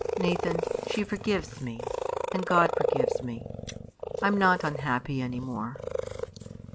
Nathan, she forgives me, and God forgives me. I'm not unhappy any more."